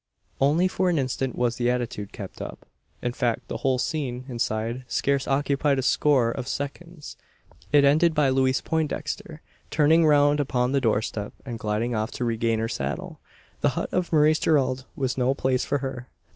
Only for an instant was the attitude kept up. In fact, the whole scene, inside, scarce occupied a score of seconds. It ended by Louise Poindexter turning round upon the doorstep, and gliding off to regain her saddle. The hut of Maurice Gerald was no place for her!